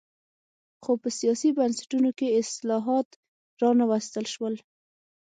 خو په سیاسي بنسټونو کې اصلاحات را نه وستل شول.